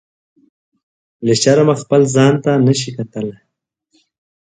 له شرمه خپل ځان ته نه شي کتلی.